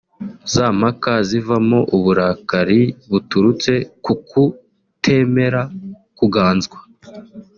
za mpaka zivamo uburakari buturutse ku kutemera kuganzwa